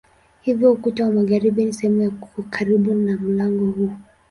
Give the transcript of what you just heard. Hivyo ukuta wa magharibi ni sehemu ya karibu na mlango huu.